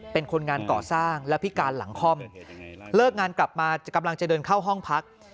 เป็นคนงานก่อสร้างและพิการหลังคล่อมเลิกงานกลับมากำลังจะเดินเข้าห้องพัก